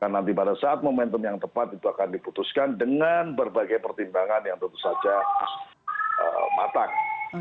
nanti pada saat momentum yang tepat itu akan diputuskan dengan berbagai pertimbangan yang tentu saja matang